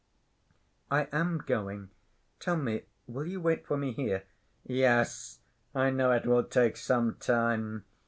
"I am going. Tell me, will you wait for me here?" "Yes. I know it will take some time.